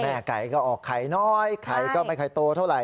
แม่ไก่ก็ออกไข่น้อยไข่ก็ไม่ไข่โตเท่าไหร่